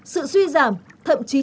sự suy giảm thậm chí